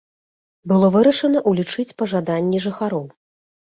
Было вырашана ўлічыць пажаданні жыхароў.